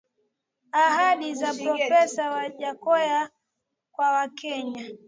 Ahadi za Profesa Wajackoya kwa wakenya